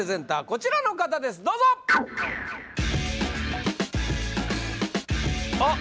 こちらの方ですどうぞ・あっ！